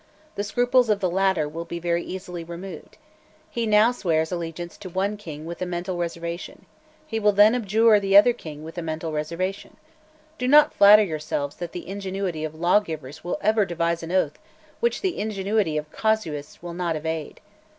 The scruples of the latter will be very easily removed. He now swears allegiance to one King with a mental reservation. He will then abjure the other King with a mental reservation. Do not flatter yourselves that the ingenuity of lawgivers will ever devise an oath which the ingenuity of casuists will not evade.